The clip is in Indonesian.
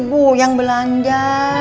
bu yang belanja